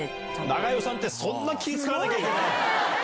長与さんって、そんな気遣わなきゃいけないの？